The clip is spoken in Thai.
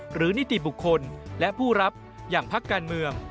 นิติบุคคลและผู้รับอย่างพักการเมือง